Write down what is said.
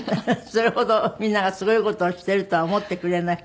それほどみんながすごい事をしているとは思ってくれない？